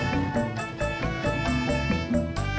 masih banyak lagi ya hai